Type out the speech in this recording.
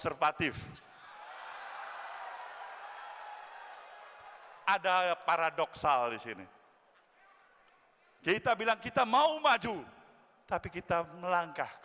itu walau apa vaccine itu anak anak